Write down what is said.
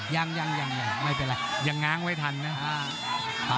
ยังยังไม่เป็นไรยังง้างไว้ทันนะ